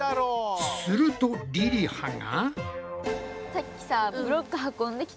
するとりりはが。